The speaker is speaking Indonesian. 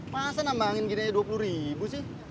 masa nambah angin gini aja dua puluh ribu sih